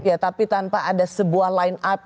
ya tapi tanpa ada sebuah line up